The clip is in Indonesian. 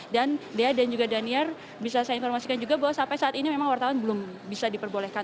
dan dia dan juga daniar bisa saya informasikan juga bahwa sampai saat ini memang wartawan belum bisa diperbolehkan